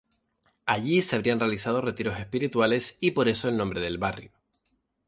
Allí, se habrían realizado retiros espirituales, y por eso el nombre del barrio.